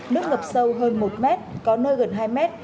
nước ngập sâu hơn một mét có nơi gần hai mét